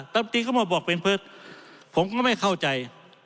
ตอนนี้เขามาบอกเป็นเพิศผมก็ไม่เข้าใจ